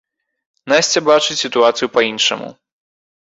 Насця бачыць сітуацыю па-іншаму.